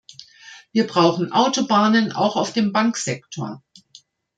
Wir brauchen Autobahnen auch auf dem Banksektor.